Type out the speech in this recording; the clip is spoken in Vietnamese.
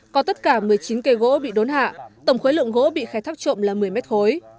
có tất cả một mươi chín cây gỗ bị đốn hạ tổng khối lượng gỗ bị khai thác trộm là một mươi mét khối